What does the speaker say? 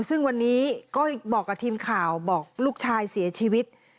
ซึ่งวันนี้ก็บอกกับทีมข่าวบอกลูกชายเสียชีวิต